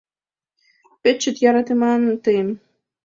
Пеш чот йӧратенам тыйым...